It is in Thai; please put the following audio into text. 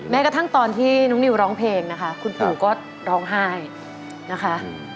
กระทั่งตอนที่น้องนิวร้องเพลงนะคะคุณปู่ก็ร้องไห้นะคะ